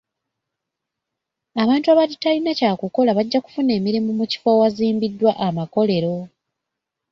Abantu abatalina kya kukola bajja kufuna emirimu mu kifo awazimbiddwa amakolero.